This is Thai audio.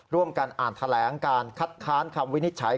ร่วมกันอ่านแถลงการคัดค้านคำวินิจฉัย